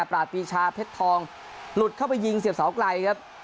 ราชปีชาเพชรทองหลุดเข้าไปยิงเสียบเสาไกลครับ